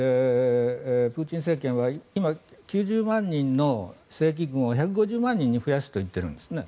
プーチン政権は今９０万人の正規軍を１５０万人に増やすと言っているんですね。